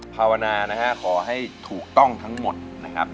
ภาวนานะฮะขอให้ถูกต้องทั้งหมดนะครับ